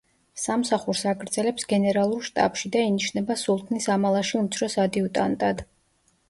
სამსახურს აგრძელებს გენერალურ შტაბში და ინიშნება სულთნის ამალაში უმცროს ადიუტანტად.